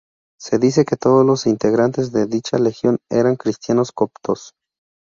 Se dice que todos los integrantes de dicha legión eran cristianos coptos.